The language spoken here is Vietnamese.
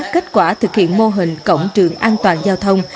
kết quả thực hiện mô hình cổng trường an toàn giao thông